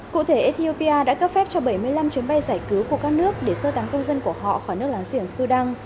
cụ thể ethiopia đã cấp phép cho bảy mươi năm chuyến bay giải cứu của các nước để sơ tăng công dân của họ khỏi nước làng diển sudan